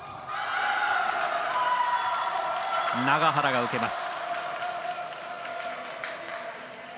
永原が受けます。